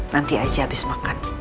nanti aja abis makan